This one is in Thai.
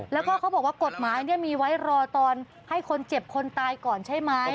แล้วก็เขาบอกว่ากฎหมายมีไว้รอตอนให้คนเจ็บคนตายก่อนใช่ไหม